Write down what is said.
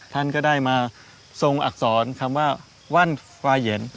ท่านก็ได้มาทรงอักษรคำว่าว่านควายเย็น